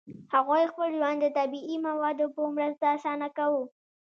هغوی خپل ژوند د طبیعي موادو په مرسته اسانه کاوه.